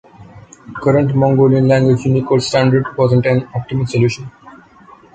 Current Mongolian language Unicode standard wasn’t an optimal solution.